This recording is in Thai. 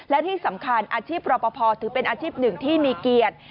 และที่สำคัญอาชีพรอปภถือเป็นอาชีพหนึ่งที่มีเกียรติ